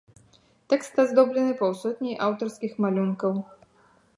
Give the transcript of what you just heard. Тэкст аздоблены паўсотняў аўтарскіх малюнкаў.